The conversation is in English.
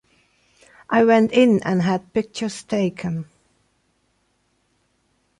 I went in and had pictures taken.